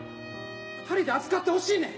二人で預かってほしいねん。